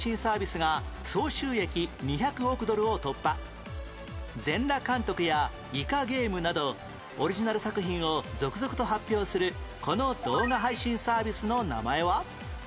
４年前『全裸監督』や『イカゲーム』などオリジナル作品を続々と発表するこの動画配信サービスの名前は？